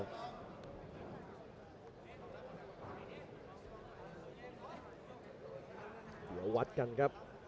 เดี๋ยววัดกันครับ